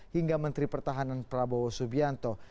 hingga menteri pertahanan prabowo subianto